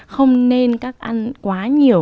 không nên các ăn quá nhiều